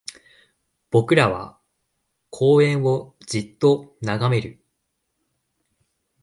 僕らは公園をじっと眺める